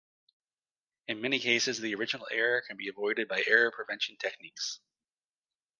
In many cases the original error can be avoided by error prevention techniques.